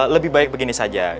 lebih baik begini saja